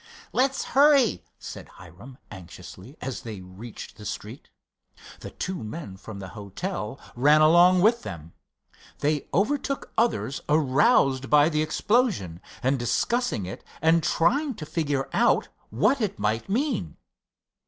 "Let's hurry," said Hiram anxiously, as they reached the street. The two men from the hotel ran along with them. They overtook others, aroused by the explosion, and discussing it and trying to figure out what it might mean.